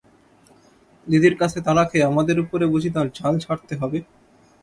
দিদির কাছে তাড়া খেয়ে আমাদের উপরে বুঝি তার ঝাল ঝাড়তে হবে?